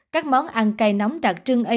các món ăn cay nóng đặc trưng